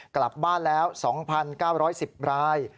กลับบ้านแล้ว๒๙๑๐ราย